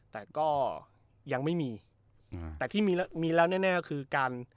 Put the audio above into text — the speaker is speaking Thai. แต่ก็ยังไม่มีแต่ที่มีแล้วมีแล้วแน่ก็คือการ